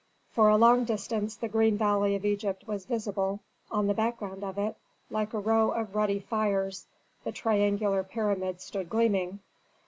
For a long distance the green valley of Egypt was visible, on the background of it, like a row of ruddy fires, the triangular pyramids stood gleaming.